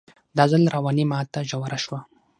دا ځل رواني ماته ژوره شوه